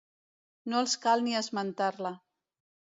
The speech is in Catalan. No els cal ni esmentar-la.